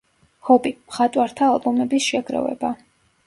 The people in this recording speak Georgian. ჰობი: მხატვართა ალბომების შეგროვება.